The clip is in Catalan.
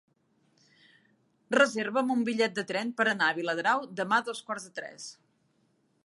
Reserva'm un bitllet de tren per anar a Viladrau demà a dos quarts de tres.